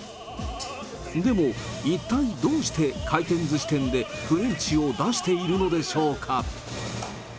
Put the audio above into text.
でも、一体どうして、回転ずし店でフレンチを出しているのでしょうか。